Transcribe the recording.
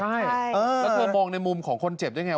ใช่แล้วเธอมองในมุมของคนเจ็บด้วยไง